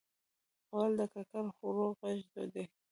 غول د ککړ خوړو غږ دی.